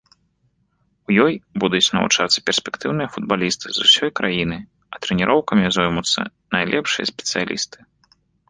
У ёй будуць навучацца перспектыўныя футбалісты з усёй краіны, а трэніроўкамі зоймуцца найлепшыя спецыялісты.